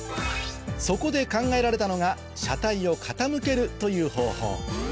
そこで考えられたのが車体を傾けるという方法